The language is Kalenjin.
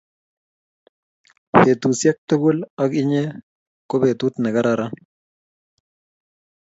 petusiek tugul ak inye ko petut ne kararan